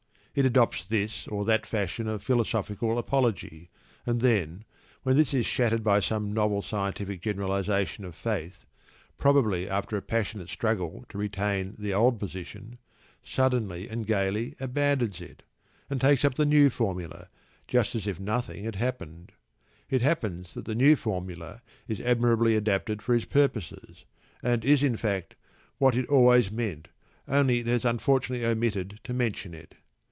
It adopts this or that fashion of philosophical apology, and then, when this is shattered by some novel scientific generalisation of faith, probably after a passionate struggle to retain the old position, suddenly and gaily abandons it, and takes up the new formula, just as if nothing had happened. It discovers that the new formula is admirably adapted for its purposes, and is, in fact, what it always meant, only it has unfortunately omitted to mention it.